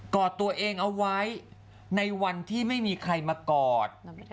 อดตัวเองเอาไว้ในวันที่ไม่มีใครมากอด